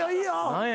何や？